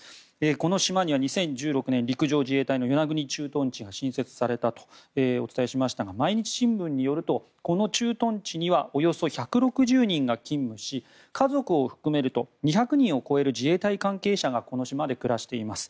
この島には２０１６年陸上自衛隊の与那国駐屯地が新設されたとお伝えしましたが毎日新聞によるとこの駐屯地にはおよそ１６０人が勤務し家族を含めると２００人を超える自衛隊関係者がこの島で暮らしています。